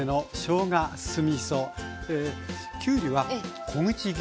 きゅうりは小口切りでした。